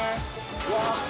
うわ。